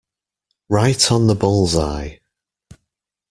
Right on the bull's-eye.